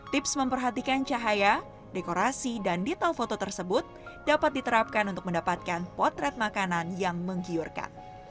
tips memperhatikan cahaya dekorasi dan detail foto tersebut dapat diterapkan untuk mendapatkan potret makanan yang menggiurkan